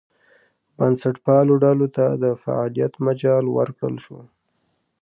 بنسټپالو ډلو ته د فعالیت مجال ورکړل شو.